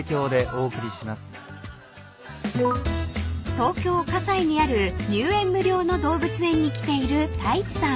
［東京葛西にある入園無料の動物園に来ている太一さん］